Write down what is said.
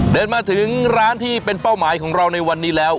เดินมาถึงร้านที่เป็นเป้าหมายของเราในวันนี้แล้ว